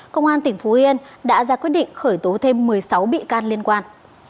công an tỉnh phú yên đã ra quyết định khởi tố thêm một mươi sáu bị can liên quan